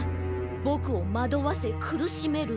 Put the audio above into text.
ぼくをまどわせくるしめる。